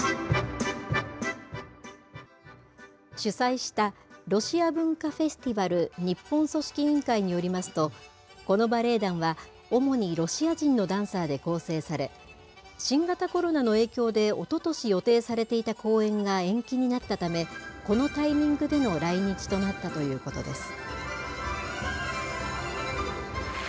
主催したロシア文化フェスティバル日本組織委員会によりますと、このバレエ団は主にロシア人のダンサーで構成され、新型コロナの影響でおととし予定されていた公演が延期になったため、このタイミングでの来日となったということです。